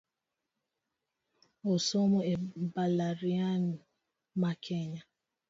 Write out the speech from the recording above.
Osomo e mbalariany ma Kenya